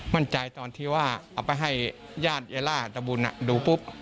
มั่นใจตอนที่ว่าเอาไปให้ญาติเยล่าตะบุญดูปุ๊บ